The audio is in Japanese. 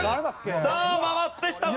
さあ回ってきたぞ。